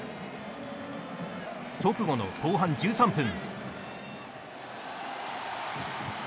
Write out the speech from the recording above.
直後の後半１３分。